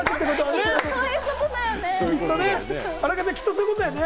そういうことだよね。